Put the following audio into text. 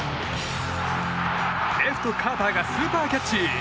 レフト、カーターがスーパーキャッチ！